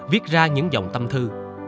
viết ra những dòng tâm thư